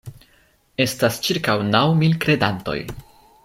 Estas ĉirkaŭ naŭ mil kredantoj.